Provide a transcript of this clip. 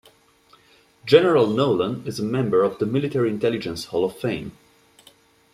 General Nolan is a member of the Military Intelligence Hall of Fame.